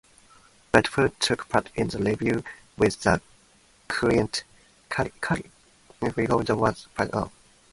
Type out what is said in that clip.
Bedford took part in the review with the "Crescent", before she was paid off.